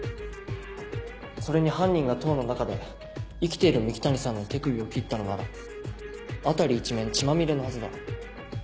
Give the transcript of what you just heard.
それに犯人が塔の中で生きている三鬼谷さんの手首を切ったのなら辺り一面血まみれのはずだ。